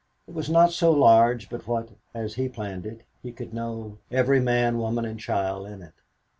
It was not so large but what, as he planned it, he could know every man, woman and child in it.